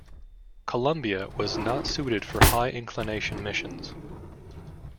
"Columbia" was not suited for high-inclination missions.